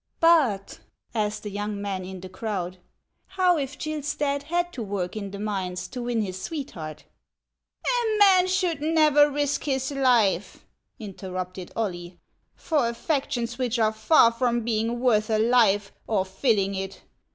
" ]>ut," asked a young man in the crowd, "how if Gill Stadt had to work in the mines to win his sweetheart ?"" A man should never risk his life," interrupted Oily, " for affections which are far from being worth a life, or fill ing it.